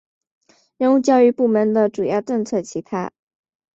人物教育部门主要政策其他